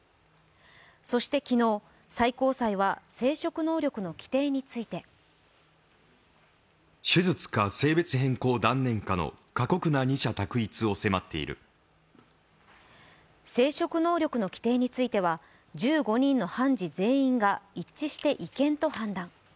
そして昨日、最高裁は生殖能力の規定について生殖能力の規定については１５人の判事全員が一致して違憲と判断。